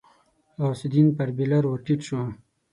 غوث الدين پر بېلر ور ټيټ شو.